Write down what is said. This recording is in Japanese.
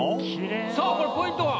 さあこれポイントは？